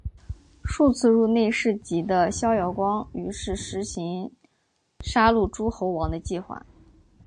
数次入内侍疾的萧遥光于是施行杀戮诸侯王的计划。